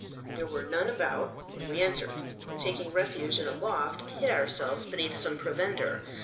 There were none about, and we entered, and, taking refuge in a loft, hid ourselves beneath some provender.